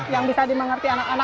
yang bisa dimengerti anak anak